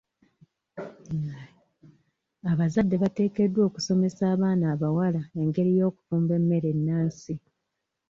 Abazadde bateekeddwa okusomesa abaana abawala engeri y'okufumba emmere ennansi.